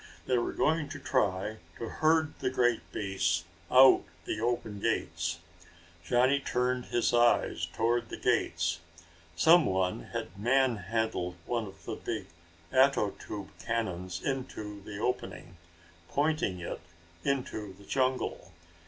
They were going to try to herd the great beasts out the open gates. Johnny turned his eyes toward the gates. Someone had manhandled one of the big ato tube cannons into the opening, pointing it into the jungle.